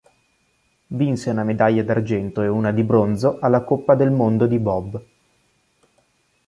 Vinse una medaglia d'argento e una di bronzo alla coppa del Mondo di bob.